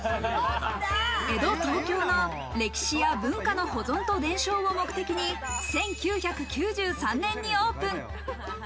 江戸、東京の歴史や文化の保存と伝承を目的に１９９３年にオープン。